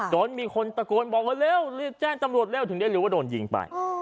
จนมีคนตะโกนบอกว่าเร็วรีบแจ้งตำรวจเร็วถึงได้รู้ว่าโดนยิงไป